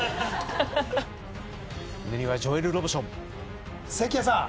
胸にはジョエル・ロブション関谷さん